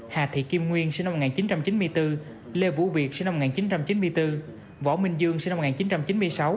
hà thị kim nguyên sinh năm một nghìn chín trăm chín mươi bốn lê vũ việt sinh năm một nghìn chín trăm chín mươi bốn võ minh dương sinh năm một nghìn chín trăm chín mươi sáu